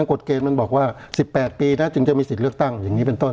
กฎเกณฑ์มันบอกว่า๑๘ปีนะจึงจะมีสิทธิ์เลือกตั้งอย่างนี้เป็นต้น